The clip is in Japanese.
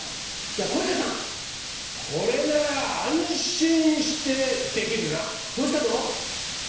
じゃ小遊三さん。これなら安心してできるな。どうしたの？